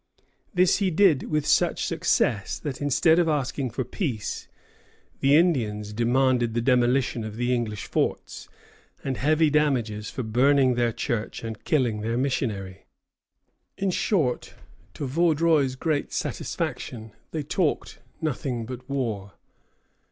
" This he did with such success that, instead of asking for peace, the Indians demanded the demolition of the English forts, and heavy damages for burning their church and killing their missionary. In short, to Vaudreuil's great satisfaction, they talked nothing but war.